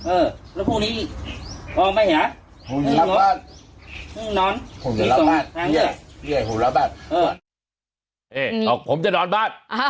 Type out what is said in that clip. เอ๊ะออกผมจะนอนบ้าน